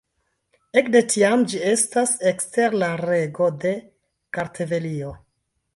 Ekde tiam, ĝi estas ekster la rego de Kartvelio.